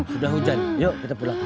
sudah hujan yuk kita perlakukan